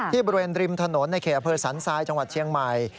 บริเวณริมถนนในเขตอำเภอสันทรายจังหวัดเชียงใหม่